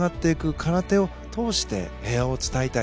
空手を通して平和を伝えたい。